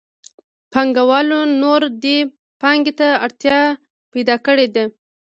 پانګوالو نوره دې پانګې ته اړتیا پیدا کړې ده